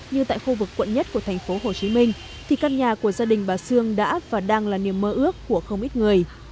như tại khu vực quận nhất của thành phố hồ chí minh thì căn nhà của gia đình bà sương đã và đang là niềm mơ ước của không ít người